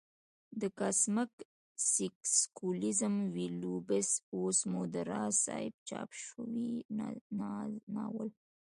د کاسمک سېکسوليزم ويلو پس اوس مو د راز صاحب چاپ شوى ناول